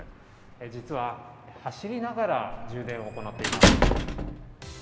実は走りながら充電を行っています。